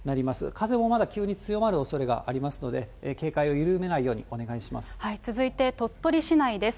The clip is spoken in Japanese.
風もまだ急に強まるおそれがありますので、警戒を緩めないように続いて、鳥取市内です。